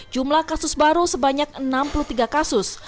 jumlah kasus baru sebanyak enam puluh tiga kasus